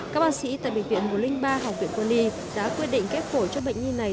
các bác sĩ tại bệnh viện một trăm linh ba học viện quân y đã quyết định ghép phổi cho bệnh nhi này